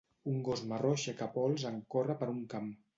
Un gos marró aixeca pols en córrer per un camp.